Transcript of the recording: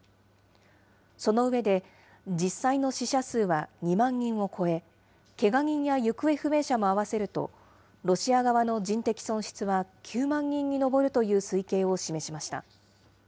その上で、実際の死者数は２万人を超え、けが人や行方不明者も合わせると、ロシア側の人的損失は９万人に上るという推計を示しました。